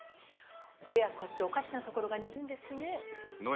親子っておかしなところが似るんですね。